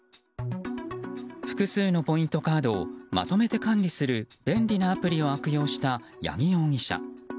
複数のポイントカードをまとめて管理する便利なアプリを悪用した八木容疑者。